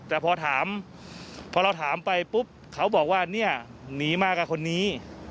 แต่พอถามพอเราถามไปปุ๊บเขาบอกว่าเนี่ยหนีมากับคนนี้